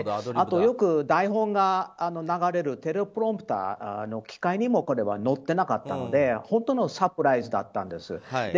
あと、よく台本が流れるテロップモニターの機械にもこれは乗ってなかったので本当のサプライズだったんです。